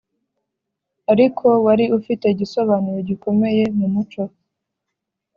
ariko wari ufite igisobanuro gikomeye mu muco.